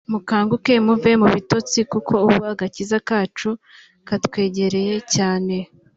mukanguke muve mu bitotsi kuko ubu agakiza kacu katwegereye cyane